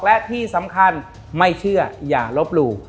และที่สำคัญไม่เชื่ออย่าลบหลู่